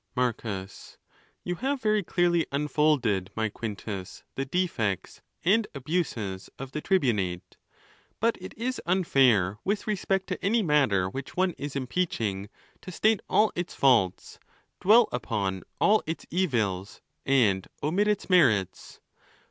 : X. Marcus.—You have very clearly unfolded, my Quintus, the defects and abuses of the tribunate; but it is unfair, with respect to any matter which one is impeaching, to state all its faults, dwell upon. all its: evils, and omit its merits.